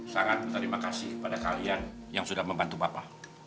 papa sangat terima kasih kepada kalian yang sudah membantu papa